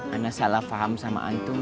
ana salah faham sama antum